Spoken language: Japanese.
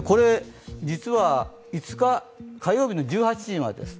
実は５日火曜日の１８時までです。